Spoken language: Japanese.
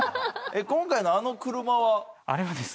今回のあの車は？